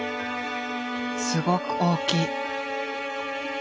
すごく大きい。